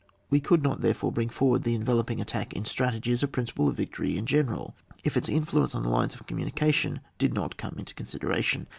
We could not therefore bring forward the enveloping attack in strategy as a principle of victory in gene ral, if its influence on the lines of commu nication did not come into consideration.